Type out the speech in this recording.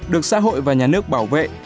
được xã hội và nhà nước bảo vệ